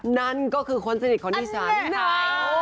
นั่นก็คือคนสนิทของดิฉันค่ะ